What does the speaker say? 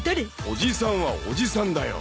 おじさんはおじさんだよ